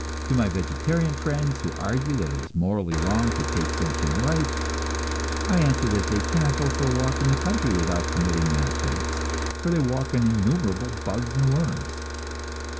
To my vegetarian friends who argue that it is morally wrong to take sentient life, I answer that they cannot go for a walk in the country without committing that offense, for they walk on innumerable bugs and worms.